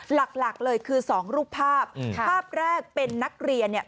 หลักหลักเลยคือสองรูปภาพภาพแรกเป็นนักเรียนเนี่ย